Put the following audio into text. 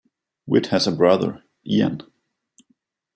Witt has a brother, Ian.